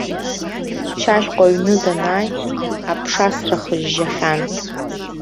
Шьашькәа аҩны данааи, аԥшасра хыжьжьахьан.